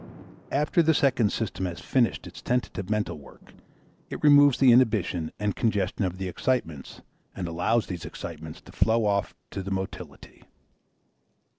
After the second system has finished its tentative mental work, it removes the inhibition and congestion of the excitements and allows these excitements to flow off to the motility.